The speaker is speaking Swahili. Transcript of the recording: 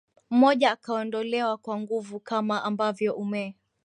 mmoja akaondolewa kwa nguvu kama ambavyo umee